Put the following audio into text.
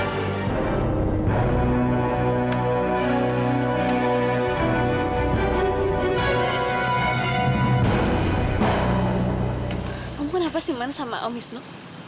kamu kenapa sih kemana sama om hizno